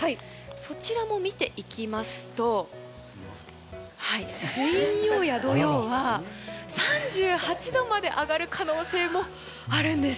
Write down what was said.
そちらも見ていきますと水曜日や土曜日は３８度まで上がる可能性もあるんです。